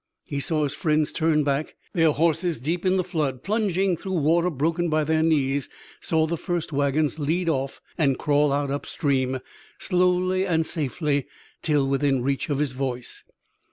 He saw his friends turn back, their horses, deep in the flood, plunging through water broken by their knees; saw the first wagons lead off and crawl out upstream, slowly and safely, till within reach of his voice.